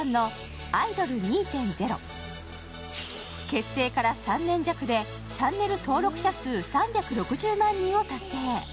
結成から３年弱でチャンネル登録者数３６０万人を達成。